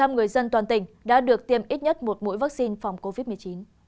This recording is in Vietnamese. một mươi người dân toàn tỉnh đã được tiêm ít nhất một mũi vaccine phòng covid một mươi chín